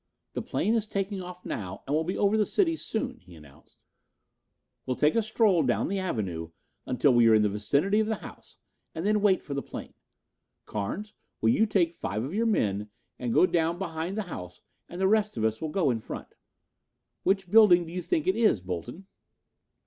"The plane is taking off now and will be over the city soon," he announced. "We'll take a stroll down the Avenue until we are in the vicinity of the house, and then wait for the plane. Carnes will take five of your men and go down behind the house and the rest of us will go in front. Which building do you think it is, Bolton?"